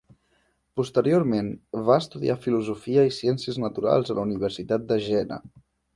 Posteriorment, va estudiar filosofia i ciències naturals a la Universitat de Jena.